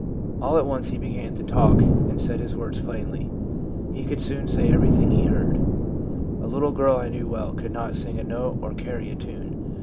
All at once he began to talk, and said his words plainly ; he could soon say everything he heard/ 'A little girl I knew well could not sing a note or carry a tune.